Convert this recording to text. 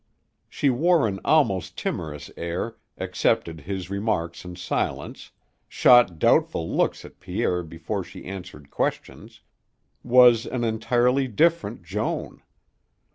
She wore an almost timorous air, accepted his remarks in silence, shot doubtful looks at Pierre before she answered questions, was an entirely different Joan.